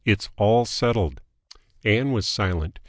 It's all settled." Ann was silent.